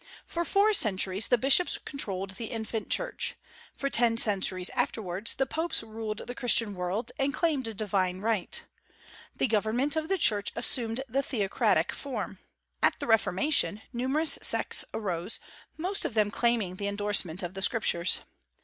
For four centuries the bishops controlled the infant Church. For ten centuries afterwards the Popes ruled the Christian world, and claimed a divine right. The government of the Church assumed the theocratic form. At the Reformation numerous sects arose, most of them claiming the indorsement of the Scriptures.